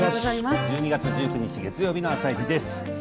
１２月１９日月曜日の「あさイチ」です。